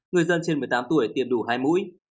người dân trên một mươi tám tuổi tìm đủ hai mũi